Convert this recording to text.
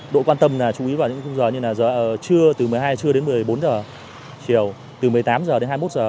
độ quan tâm chú ý vào những khung giờ như là từ một mươi hai h trưa đến một mươi bốn h chiều từ một mươi tám h đến hai mươi một h